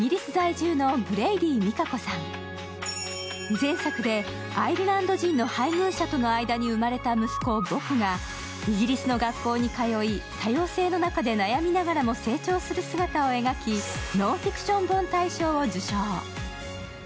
前作でアイルランド人の配偶者との間に生まれたぼくがイギリスの学校に通い、多様性の中で悩みながらも成長する姿を描き、ノンフィクション本大賞を受賞。